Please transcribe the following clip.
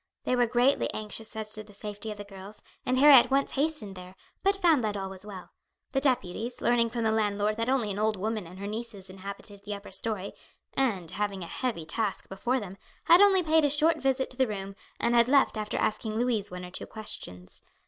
They were greatly anxious as to the safety of the girls, and Harry at once hastened there, but found that all was well. The deputies, learning from the landlord that only an old woman and her nieces inhabited the upper story, and having a heavy task before them, had only paid a short visit to the room, and had left after asking Louise one or two questions.